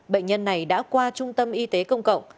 bệnh nhân này đã qua trung tâm y tế công cộng